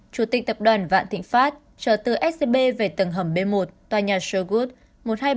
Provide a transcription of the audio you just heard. chủ tịch tập đoàn vạn thịnh pháp trở tư scb về tầng hầm b một tòa nhà sherwood